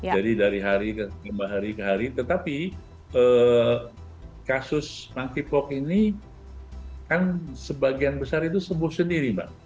jadi dari hari ke hari tetapi kasus mangkipok ini kan sebagian besar itu sembuh sendiri